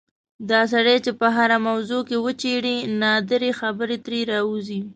دا سړی چې په هره موضوع کې وچېړې نادرې خبرې ترې راوځي.